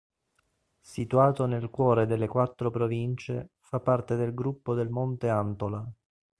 Situato nel cuore delle quattro province fa parte del Gruppo del Monte Antola.